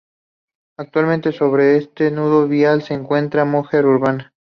Actualmente, sobre este nudo vial se encuentra Mujer Urbana.